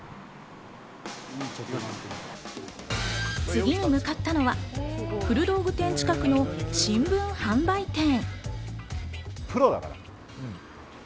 次に向かったのは、古道具店近くの新聞販売店。